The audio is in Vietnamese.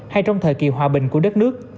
hay trong thời kỳ hòa bình của đất nước